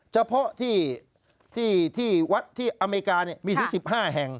เฉพาะที่วัดที่อเมริกามีถึง๑๕แห่ง